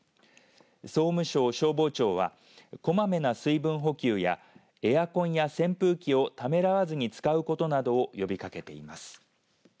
総務省消防庁はこまめな水分補給やエアコンや扇風機をためらわずに使うことなどを呼びかけています。